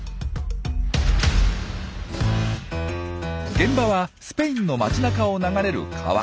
現場はスペインの街なかを流れる川。